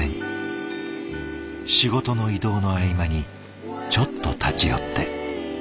仕事の移動の合間にちょっと立ち寄って。